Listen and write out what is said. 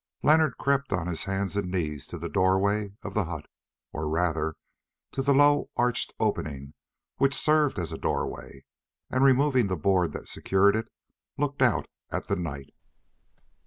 Leonard crept on his hands and knees to the doorway of the hut, or rather to the low arched opening which served as a doorway, and, removing the board that secured it, looked out at the night.